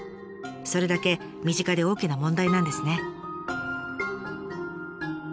それだけ身近で大きな問題なんですね。